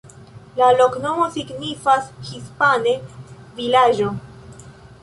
La loknomo signifas hispane: vilaĝo.